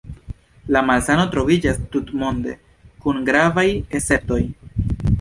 La malsano troviĝas tutmonde, kun gravaj esceptoj.